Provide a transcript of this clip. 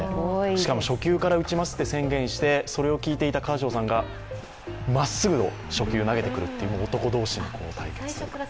しかも初球から打ちますと宣言して、それを聞いていたカーショウさんがまっすぐの初球を投げてくるという男同士の対決。